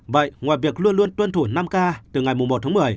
vậy ngoài việc luôn luôn tuân thủ năm k từ ngày một tháng một mươi